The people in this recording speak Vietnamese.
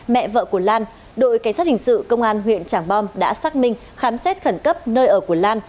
mẹ vợ của lan đội cảnh sát hình sự công an huyện trảng bom đã xác minh khám xét khẩn cấp nơi ở của lan